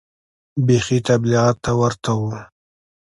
بيخي تبليغيانو ته ورته و.